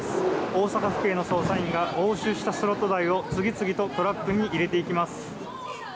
大阪府警の捜査員が押収したスロット台を次々とトラックに入れていきます。